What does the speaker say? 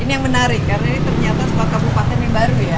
ini yang menarik karena ini ternyata sebuah kabupaten yang baru ya